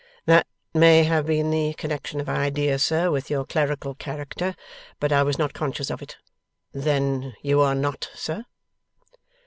'That may have been the connexion of ideas, sir, with your clerical character, but I was not conscious of it. Then you are not, sir?